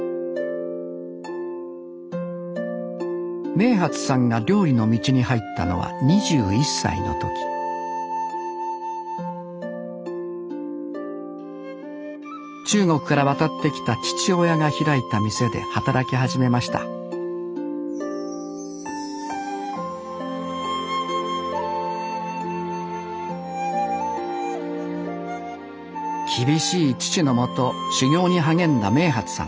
明發さんが料理の道に入ったのは２１歳の時中国から渡ってきた父親が開いた店で働き始めました厳しい父の下修業に励んだ明發さん。